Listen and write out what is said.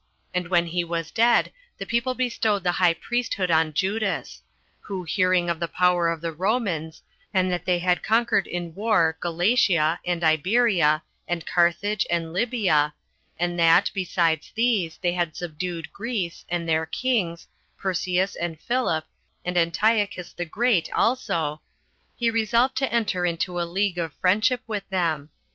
And when he was dead, the people bestowed the high priesthood on Judas; who hearing of the power of the Romans, and that they had conquered in war Galatia, and Iberia, and Carthage, and Libya; and that, besides these, they had subdued Greece, and their kings, Perseus, and Philip, and Antiochus the Great also; he resolved to enter into a league of friendship with them.